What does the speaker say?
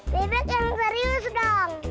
bebek yang serius dong